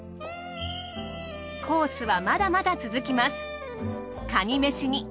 コースはまだまだ続きます。